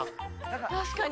確かに。